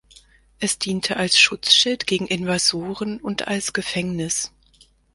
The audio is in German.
Es diente als Schutzschild gegen Invasoren und als Gefängnis.